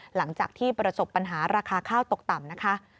หลังจากที่ประสบปัญหาราคาข้าวตกต่ำนะคะ